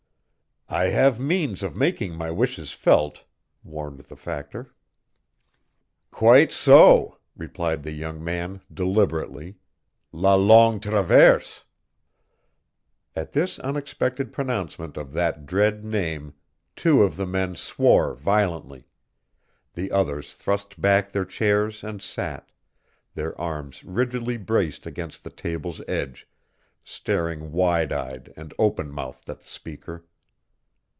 "I have means of making my wishes felt," warned the Factor. "Quite so," replied the young man, deliberately, "La Longue Traverse." At this unexpected pronouncement of that dread name two of the men swore violently; the others thrust back their chairs and sat, their arms rigidly braced against the table's edge, staring wide eyed and open mouthed at the speaker.